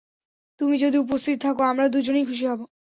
তুমি যদি উপস্থিত থাকো আমরা দুজনেই খুশি হব।